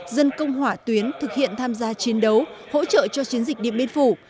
dân công hỏa tuyến thực hiện tham gia chiến đấu hỗ trợ cho chiến dịch điện biên phủ